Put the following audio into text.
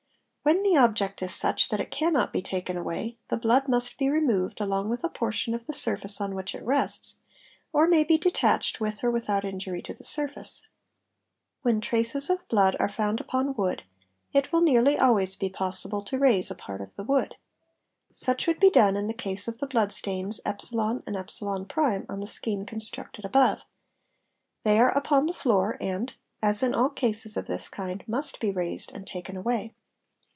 it | When the object is such that it cannot be taken away the blood must be removed along with a portion of the surface on which it rests, or may _ be detached, with or without injury to the surface. When traces of blood are found upon wood it will nearly always be possible to raise @ i part of the wood. Such would be done in the case of the blood stains" | DETACHING OF BLOOD 569 «and «on the scheme constructed above; they are upon the floor and, as in all cases of this kind, must be raised and taken away.